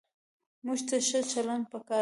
موټر ته ښه چلند پکار دی.